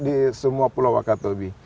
di semua pulau akatobi